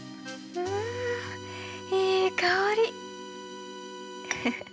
うんいい香り。